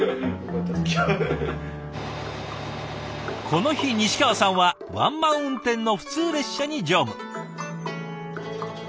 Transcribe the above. この日西川さんはワンマン運転の普通列車に乗務。